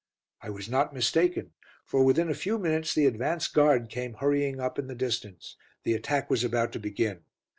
I was not mistaken, for within a few minutes the advance guard came hurrying up in the distance; the attack was about to begin.